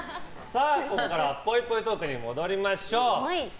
ここからはぽいぽいトークに戻りましょう。